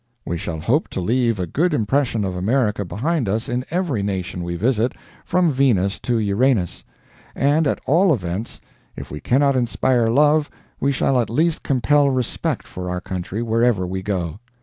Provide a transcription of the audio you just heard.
We shall hope to leave a good impression of America behind us in every nation we visit, from Venus to Uranus. And, at all events, if we cannot inspire love we shall at least compel respect for our country wherever we go.